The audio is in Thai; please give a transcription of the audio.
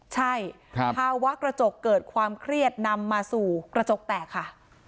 ใช่ภาวะกระจกเกิดความเครียดนำมาสู่กระจกแตกค่ะ